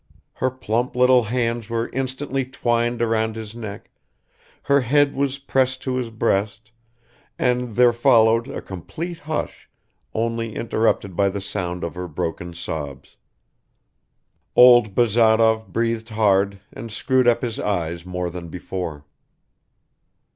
Her plump little hands were instantly twined round his neck, her head was pressed to his breast, and there followed a complete hush, only interrupted by the sound of her broken sobs. Old Bazarov breathed hard and screwed up his eyes more than before.